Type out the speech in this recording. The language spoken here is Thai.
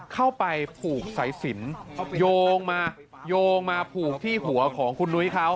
เข้าไปผูกสายสินโยงมาโยงมาผูกที่หัวของคุณนุ้ยเขา